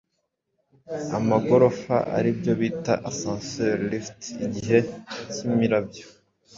amagorofa aribyo bita Ascenseur (lift) igihe cy’imirabyo